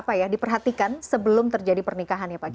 apa ya diperhatikan sebelum terjadi pernikahan ya pak kiai